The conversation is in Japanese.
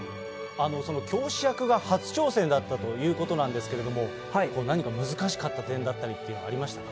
その教師役が初挑戦だったということなんですけれども、何か難しかった点だったりとかありましたか。